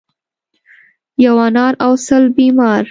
ـ یو انار او سل بیمار.